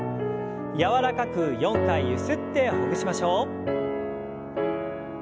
柔らかく４回ゆすってほぐしましょう。